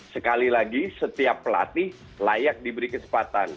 sekali lagi setiap pelatih layak diberi kesempatan